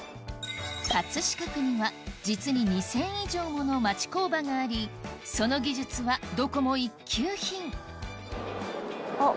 葛飾区には実に２０００以上もの町工場がありその技術はどこも一級品あっ